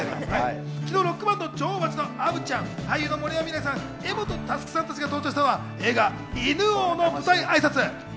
昨日、ロックバンド女王蜂のアヴちゃん、俳優の森山未來さん、柄本佑さん達が登場したのは映画『犬王』の舞台挨拶。